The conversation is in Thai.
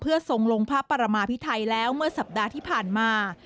เพื่อที่สมลงภาพปรมามภิทัยแล้วเมื่อสัปดาห์ที่ผ่านมา